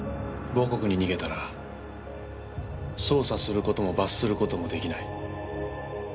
母国に逃げたら捜査する事も罰する事も出来ない。